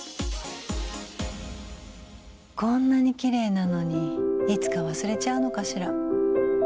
こんなにきれいなのにいつか忘れちゃうのかしら？